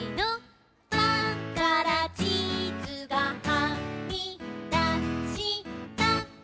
「パンからチーズがはみだした」